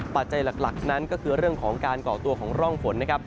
ปัจจัยหลักนั้นก็คือเรื่องของการก่อตัวของร่องฝนนะครับ